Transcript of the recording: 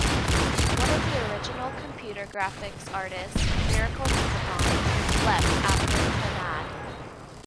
One of the original computer graphics artists, Miracle Mikipon, left after "Clannad".